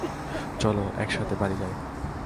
চলো একসাথে বাড়ি যাই।